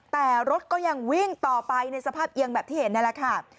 แต่รถก็ยังวิ่งต่อไปในสภาพเอียงแบบที่เห็นนั่นแหละค่ะ